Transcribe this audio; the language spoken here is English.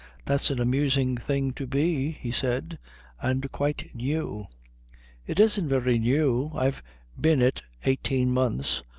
"That's an amusing thing to be," he said. "And quite new." "It isn't very new. I've been it eighteen months.